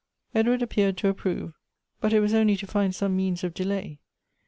Edward appeared to approve ; but it was only to find 132 Goethe's some means of delay.